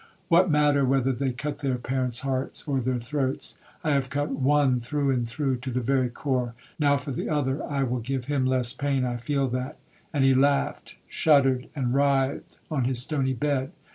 What matter whether they cut their parents hearts or their throats. I have cut one through and through, to the very core,—now for the other, it will give him less pain, I feel that,'—and he laughed, shuddered, and writhed on his stony bed.